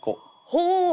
ほう！